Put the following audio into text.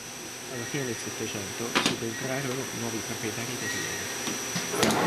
Alla fine del Settecento subentrarono nuovi proprietari terrieri.